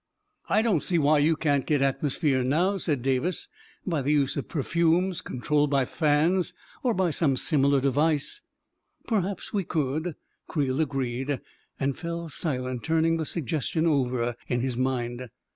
356 A KING IN BABYLON ft " I don't see why you can't get atmosphere, now, said Davis, " by the use of perfumes, controlled by fans or by some similar device." " Perhaps we could," Creel agreed, and fell si lent, turning the suggestion over in his mind.